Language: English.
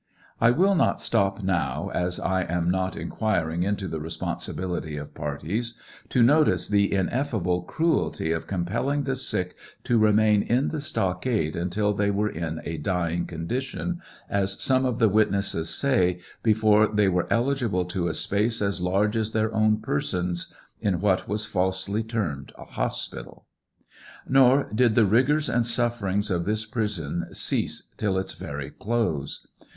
I will not stop now, as I am not inquiring into the responsibility of parties, to notice the ineffable cruelty of compelling the sick to remain in the stockade until they were in a dying condition, as some of the witnesses say, before they were eligible to a space as large as their own persons, in what was falsely termed a hospital. Nor did the rigors and sufferings of this prison cease till its very close.